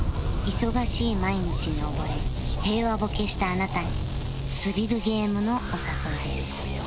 忙しい毎日に溺れ平和ボケしたあなたにスリルゲームのお誘いです